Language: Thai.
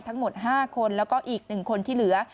ทั้งหมด๕คนแล้วก็อีก๑คนที่เหลือ